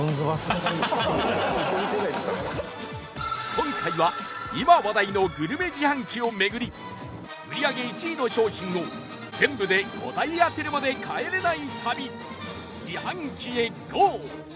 今回は今話題のグルメ自販機を巡り売り上げ１位の商品を全部で５台当てるまで帰れない旅自販機へゴー！